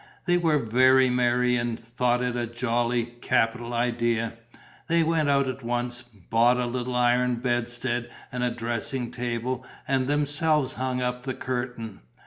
They were very merry and thought it a jolly, a capital idea. They went out at once, bought a little iron bedstead and a dressing table and themselves hung up the curtain.